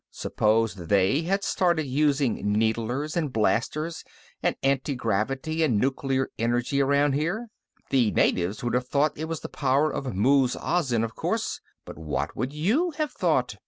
"Suppose they had started using needlers and blasters and antigravity and nuclear energy around here. The natives would have thought it was the power of Muz Azin, of course, but what would you have thought?